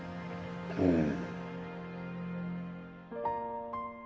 うん。